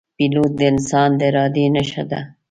پیلوټ د انسان د ارادې نښه ده.